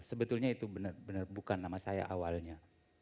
sebetulnya itu benar benar bukan nama saya awalnya